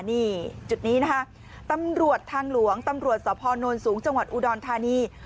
นี่จุดนี้นะคะตำรวจทางหลวงตำรวจสพนสูงจังหวัดอุดรธานี